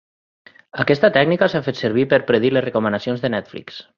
Aquesta tècnica s'ha fet servir per predir les recomanacions de Netflix.